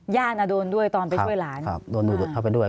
โดนด้วยตอนไปช่วยหลานครับโดนเข้าไปด้วย